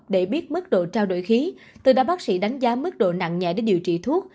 để biết mức độ trao đổi khí từ đó bác sĩ đánh giá mức độ nặng nhẹ để điều trị thuốc